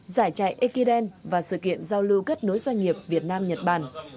giải chạy ekiden và sự kiện giao lưu kết nối doanh nghiệp việt nam nhật bản